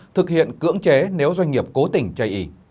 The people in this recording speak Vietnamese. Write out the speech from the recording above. thực hiện cưỡng chế nếu doanh nghiệp cố tình chây ý